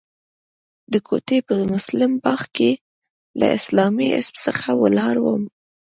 د کوټې په مسلم باغ کې له اسلامي حزب څخه ولاړم.